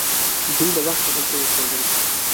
دوی له وخته هلته اوسیدل.